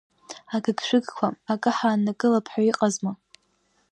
Агыгшәыгқәа, акы ҳааннакылап ҳәа иҟазма?